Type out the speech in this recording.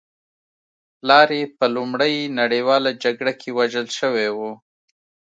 پلار یې په لومړۍ نړۍواله جګړه کې وژل شوی و